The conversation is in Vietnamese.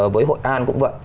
với hội an cũng vậy